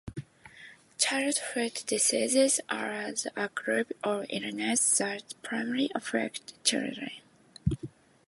Childhood diseases are a group of illnesses that primarily affect children.